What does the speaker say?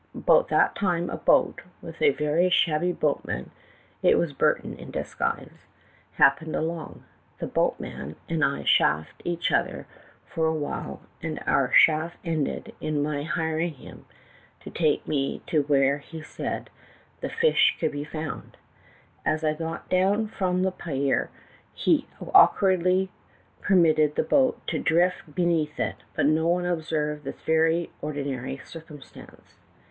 About that time a boat, with a very shabby boatman (it was Burton in disguise), happened along. The boat each other for a chaff ended in my me to * man and I chaffed while, and our hiring him to take where he said the could be found. As I got down from the pier, he awkwardly per mitted the boat to drift beneath it, but no one observed this very ordinary circum stance.